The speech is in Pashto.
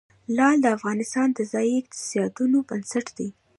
لعل د افغانستان د ځایي اقتصادونو بنسټ دی.